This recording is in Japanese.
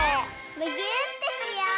むぎゅーってしよう！